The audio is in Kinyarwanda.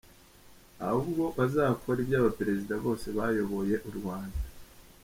Ahubwo bazakore iby' Abaperezida bose bayoboye u Rwanda.